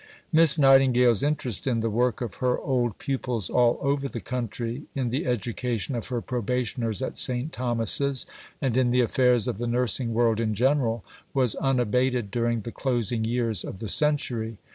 Miss Nightingale's interest in the work of her old pupils all over the country, in the education of her Probationers at St. Thomas's, and in the affairs of the nursing world in general, was unabated during the closing years of the century.